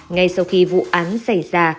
ngay sau khi vụ án xảy ra